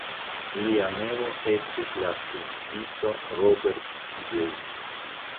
Lia nevo estis la skulptisto Robert Diez.